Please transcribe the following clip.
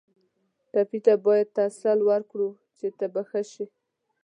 ټپي ته باید تسل ورکړو چې ته به ښه شې.